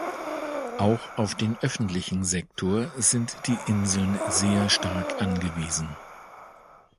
Auch auf den öffentlichen Sektor sind die Inseln sehr stark angewiesen.